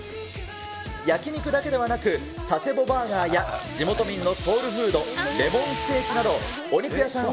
焼き肉だけではなく、佐世保バーガーや、地元民のソウルフード、レモンステーキなど、お肉屋さん